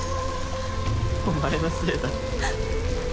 お前のせいだ。